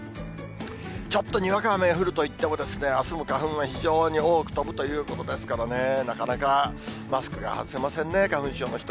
ちょっと、にわか雨が降るといっても、あすも花粉は非常に多く飛ぶということですからね、なかなかマスクが外せませんね、花粉症の人。